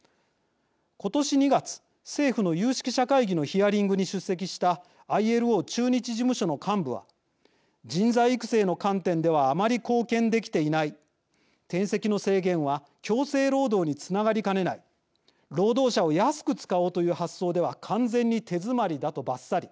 今年２月、政府の有識者会議のヒアリングに出席したＩＬＯ駐日事務所の幹部は人材育成の観点ではあまり貢献できていない転籍の制限は強制労働につながりかねない労働者を安く使おうという発想では完全に手詰まりだとばっさり。